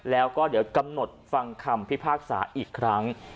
แล้วก็เดี๋ยวกำหนดฟังคำพิพากษาอีกครั้ง